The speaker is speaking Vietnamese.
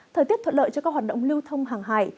thời tiết thuận lợi cho các hoạt động lưu thông hàng hải